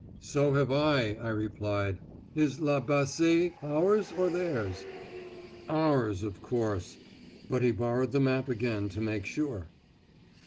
"So have I," I replied. "Is La Bassée ours or theirs?" "Ours, of course"; but he borrowed the map again to make sure!